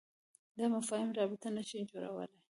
دا مفاهیم رابطه نه شي جوړولای.